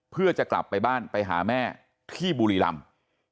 เพื่อจะกลับไปบ้านไปหาแม่ที่บุรีรำ